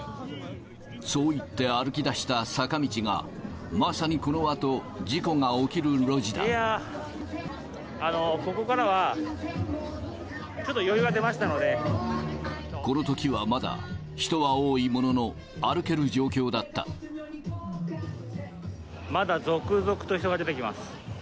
そう言って歩き出した坂道が、まさにこのあと、事故が起きる路ここからは、このときはまだ、人は多いもまだ続々と人が出てきます。